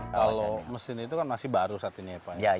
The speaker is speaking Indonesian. kalau mesin itu kan masih baru satu kali